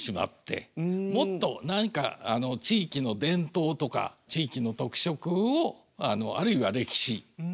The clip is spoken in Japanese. もっと何か地域の伝統とか地域の特色をあるいは歴史ですね。